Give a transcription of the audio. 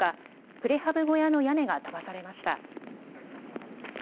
プレハブ小屋の屋根が飛ばされました。